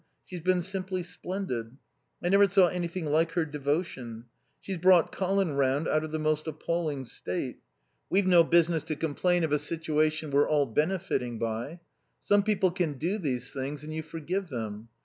She's been simply splendid. I never saw anything like her devotion. She's brought Colin round out of the most appalling state. We've no business to complain of a situation we're all benefitting by. Some people can do these things and you forgive them.